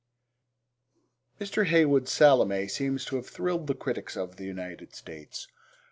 Mr. Heywood's Salome seems to have thrilled the critics of the United States.